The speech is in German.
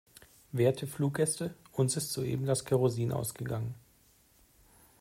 Werte Fluggäste, uns ist soeben das Kerosin ausgegangen.